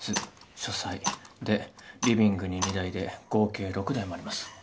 書斎でリビングに２台で合計６台もあります。